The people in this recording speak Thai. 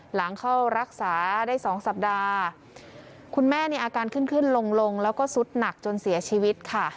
หลังเข้ารักษาได้สองสัปดาห์คุณแม่เนี่ยอาการขึ้นขึ้นลงลงแล้วก็สุดหนักจนเสียชีวิตค่ะ